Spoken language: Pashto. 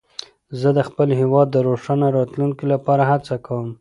زه د خپل هېواد د روښانه راتلونکي لپاره هڅه کوم.